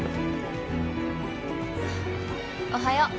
おはよう。